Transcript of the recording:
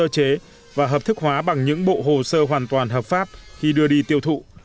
gỗ lộng đã được sơ chế và hợp thức hóa bằng những bộ hồ sơ hoàn toàn hợp pháp khi đưa đi tiêu thụ